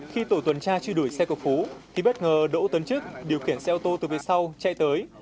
khi tổ tuần tra truy đuổi xe của phú thì bất ngờ đỗ tấn trức điều khiển xe ô tô từ phía sau chạy tới